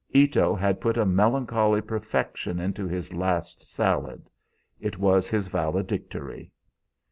Ito had put a melancholy perfection into his last salad. It was his valedictory.